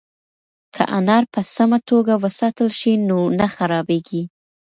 که انار په سمه توګه وساتل شي نو نه خرابیږي.